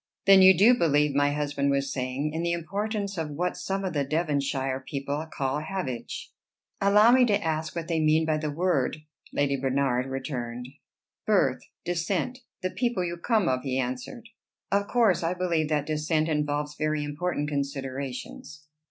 "Then you do believe," my husband was saying, "in the importance of what some of the Devonshire people call havage?" "Allow me to ask what they mean by the word," Lady Bernard returned. "Birth, descent, the people you come of," he answered. "Of course I believe that descent involves very important considerations."